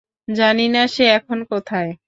জানি না সে এখন কোথায়?